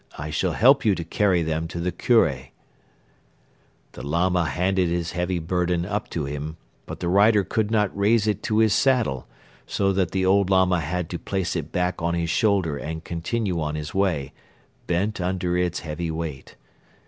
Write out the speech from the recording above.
I shall help you to carry them to the Kure.' "The Lama handed his heavy burden up to him but the rider could not raise it to his saddle so that the old Lama had to place it back on his shoulder and continue on his way, bent under its heavy weight.